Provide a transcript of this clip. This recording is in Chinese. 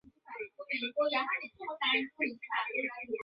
法国安茹家族在西西里王国的统治已宣告结束。